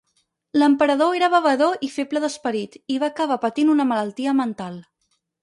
L'emperador era bevedor i feble d'esperit, i va acabar patint una malaltia mental.